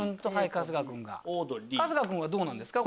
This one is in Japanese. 春日君はどうなんですか？